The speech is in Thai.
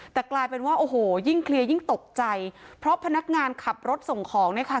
แต่กลายเป็นว่าโอ้โหยิ่งเคลียร์ยิ่งตกใจเพราะพนักงานขับรถส่งของเนี่ยค่ะ